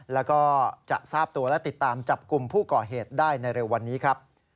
แล้วก็จะทราบตัวและติดตามจับกลุ่มผู้ก่อเหตุได้ในเร็ววันนี้ครับ